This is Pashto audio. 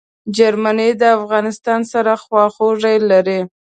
جرمني د افغانستان سره خواخوږي لري.